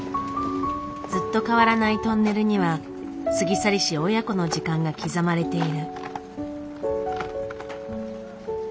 ずっと変わらないトンネルには過ぎ去りし親子の時間が刻まれている。